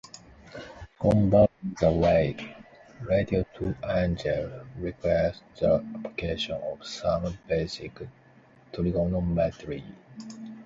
Converting the rake ratio to an angle requires the application of some basic trigonometry.